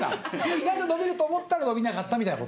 意外と伸びると思ったら伸びなかったみたいな。